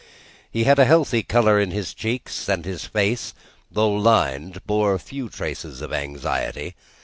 He had a healthy colour in his cheeks, and his face, though lined, bore few traces of anxiety.